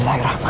ke perto mundur